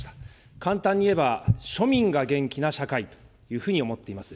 簡単に言えば、庶民が元気な社会というふうに思っています。